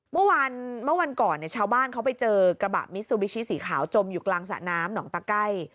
เมื่อวานเมื่อวันก่อนเนี่ยชาวบ้านเขาไปเจอกระบะมิซูบิชิสีขาวจมอยู่กลางสระน้ำหนองตะไก้